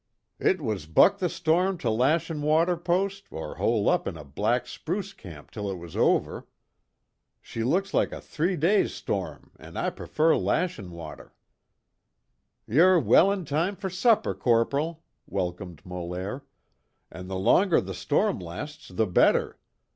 "It was buck the storm to Lashin' Water post, or hole up in a black spruce swamp till it was over. She looks like a three days' storm, an' I prefer Lashin' Water." "Ye're well in time for supper, Corporal," welcomed Molaire, "and the longer the storm lasts the better.